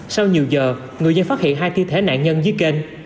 sau nhiều giờ người dân phát hiện hai thi thể nạn nhân dưới kênh